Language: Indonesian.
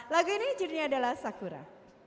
lagu ini jurna adalah sakura